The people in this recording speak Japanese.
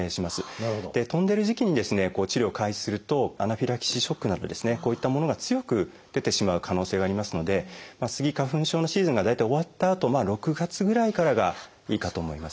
飛んでる時期にですね治療を開始するとアナフィラキシーショックなどですねこういったものが強く出てしまう可能性がありますのでスギ花粉症のシーズンが大体終わったあと６月ぐらいからがいいかと思いますね。